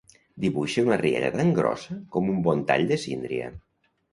Dibuixe una rialla tan grossa com un bon tall de síndria.